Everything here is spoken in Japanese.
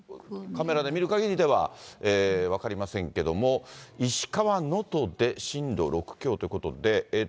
それから海面の潮位の変動も、カメラで見るかぎりでは分かりませんけども、石川能登で震度６強ということで。